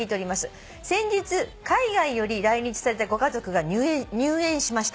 「先日海外より来日されたご家族が入園しました」